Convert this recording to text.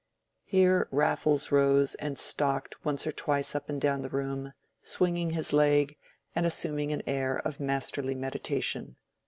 Here Raffles rose and stalked once or twice up and down the room, swinging his leg, and assuming an air of masterly meditation.